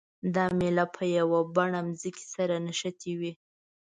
دا میله په یوه بڼه ځمکې سره نښتې وي.